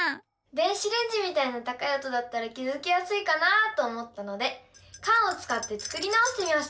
電子レンジみたいな高い音だったら気付きやすいかなと思ったのでカンをつかって作り直してみました！